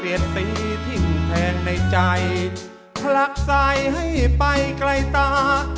เศียรสีทิ้งแทงในใจพลักใสให้ไปใกล้ตา